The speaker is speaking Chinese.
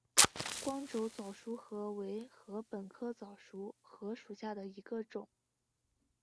光轴早熟禾为禾本科早熟禾属下的一个种。